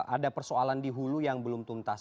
ada persoalan di hulu yang belum tuntas